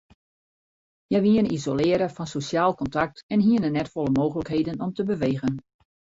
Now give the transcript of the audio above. Hja wiene isolearre fan sosjaal kontakt en hiene net folle mooglikheden om te bewegen.